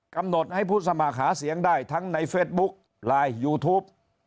กำหนดให้ผู้สมัครหาเสียงได้ทั้งในเฟสบุ๊คไลน์ยูทูป